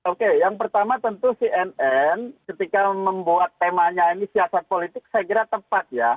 oke yang pertama tentu cnn ketika membuat temanya ini siasat politik saya kira tepat ya